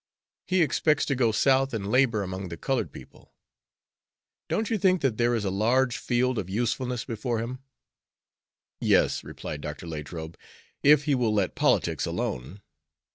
He expects to go South and labor among the colored people. Don't you think that there is a large field of usefulness before him?" "Yes," replied Dr. Latrobe, "if he will let politics alone."